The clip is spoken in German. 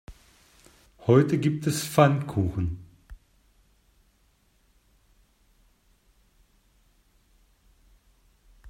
Heute gibt es Pfannkuchen.